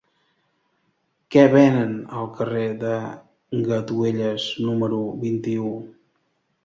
Què venen al carrer de Gatuelles número vint-i-u?